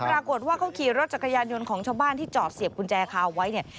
ปรากฏว่าเขาขี่รถจักรยานยนต์ของชาวบ้านที่จอดเสียบกุญแจคาไว้เนี่ย